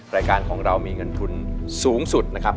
รายการของเรามีเงินทุนสูงสุดนะครับ